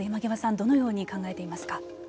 どのように考えていますか。